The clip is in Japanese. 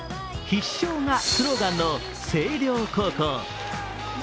「必笑」がスローガンの星稜高校。